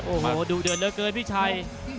โอ้โหดูเดินเลอะเกินพี่ชัย